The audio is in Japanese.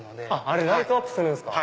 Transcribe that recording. あれライトアップするんですか！